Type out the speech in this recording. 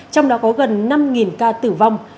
trong đó có gần năm ca tử vong